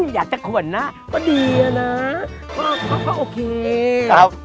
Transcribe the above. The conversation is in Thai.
อยากจะขวนหน้าก็ดีอะนะก็โอเคครับ